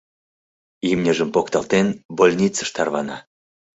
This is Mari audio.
— Имньыжым покталтен, больницыш тарвана.